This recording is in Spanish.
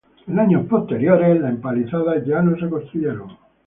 En años posteriores, las empalizadas ya no se construyeron.